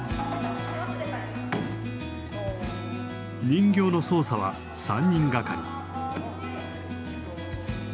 人形の操作は３人がかり。